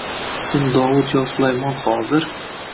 Sen Dovud yo Sulaymon hozir